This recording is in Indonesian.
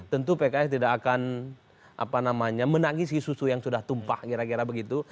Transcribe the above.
tentu pks tidak akan menangisi susu yang sudah tumpah kira kira begitu